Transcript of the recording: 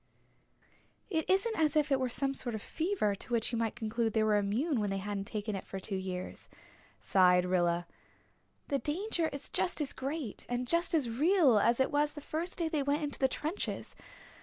"It isn't as if it were some sort of fever to which you might conclude they were immune when they hadn't taken it for two years," sighed Rilla. "The danger is just as great and just as real as it was the first day they went into the trenches.